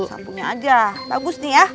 kampungnya aja bagus nih ya